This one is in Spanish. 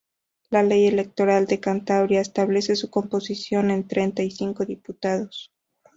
La Ley Electoral de Cantabria establece su composición en treinta y cinco diputados.